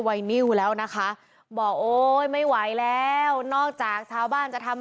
นิ้วแล้วนะคะบอกโอ๊ยไม่ไหวแล้วนอกจากชาวบ้านจะทำ